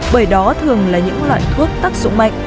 bởi đó thường là những loại thuốc tắc sụn mạnh